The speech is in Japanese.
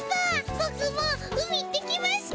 ボクもう海行ってきました。